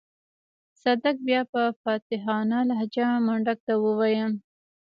صدک بيا په فاتحانه لهجه منډک ته وويل.